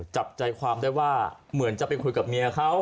จับใจความได้ว่าเหมือนจะไปคุยกับเมียเขา